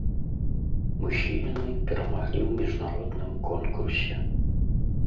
Усе яны перамаглі ў міжнародным конкурсе.